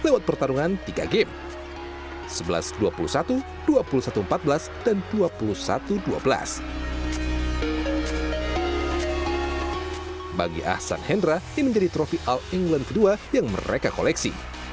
bagi ahsan hendra yang menjadi trofi all england kedua yang mereka koleksi